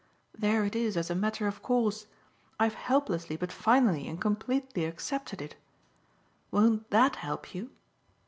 There it is as a matter of course: I've helplessly but finally and completely accepted it. Won't THAT help you?"